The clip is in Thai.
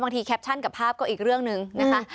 แคปชั่นกับภาพก็อีกเรื่องหนึ่งนะคะ